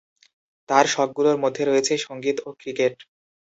তার শখগুলোর মধ্যে রয়েছে সঙ্গীত ও ক্রিকেট।